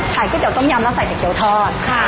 ขายก๋วยเจียวต้มยำแล้วใส่แต่เกี๊ยวทอด